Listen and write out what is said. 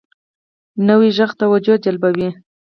نوی غږ توجه جلبوي